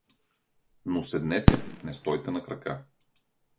Но седнете, не стойте на крака.